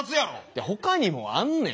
いや他にもあんねん。